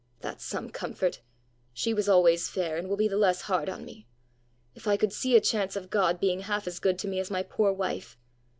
That's some comfort! She was always fair, and will be the less hard on me. If I could see a chance of God being half as good to me as my poor wife.